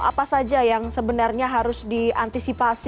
apa saja yang sebenarnya harus diantisipasi